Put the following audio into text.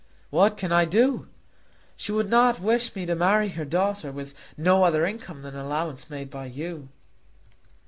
"What can I do? She would not wish me to marry her daughter with no other income than an allowance made by you."